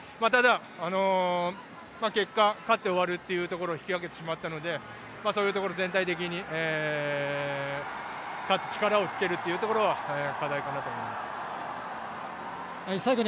ただ、結果勝って終わるというところを引き分けてしまったのでそういうところで全体的に勝つ力をつけるというところが課題かなと思います。